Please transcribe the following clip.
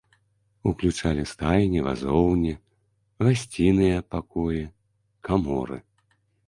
Уключалі стайні, вазоўні, гасціныя пакоі, каморы.